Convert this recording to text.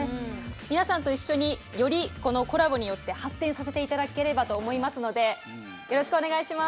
皆さんと一緒によりこのコラボによって発展させて頂ければと思いますのでよろしくお願いします。